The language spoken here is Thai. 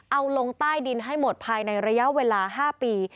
เอาลงใต้ดินให้หมดภายในระยะเวลา๕ปี